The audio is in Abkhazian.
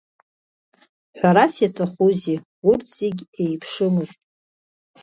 Ҳәарас иаҭахузеи, урҭ зегьы еиԥшымызт.